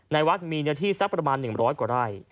ในวัดมีเนื้อที่สักประมาณ๑๐๐กว่าไร่